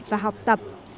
và học tập